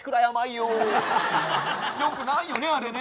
よくないよねあれね。